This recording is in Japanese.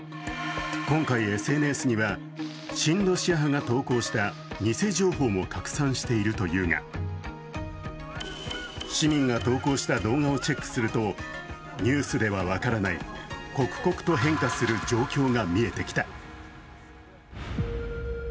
今回、ＳＮＳには親ロシア派が投稿した偽情報も拡散しているというが市民が投稿した動画をチェックするとニュースでは分からない刻々と変化する状況が見えてきた。